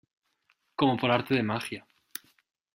como por arte de magia.